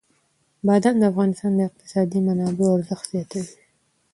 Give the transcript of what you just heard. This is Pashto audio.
بادام د افغانستان د اقتصادي منابعو ارزښت زیاتوي.